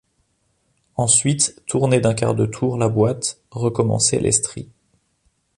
Ensuite tourner d'un quart de tour la boite, recommencer les stries.